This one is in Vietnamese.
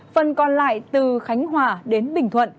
phần còn lại từ khánh hòa đến bình thuận